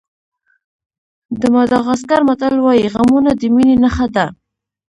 د ماداغاسکر متل وایي غمونه د مینې نښه ده.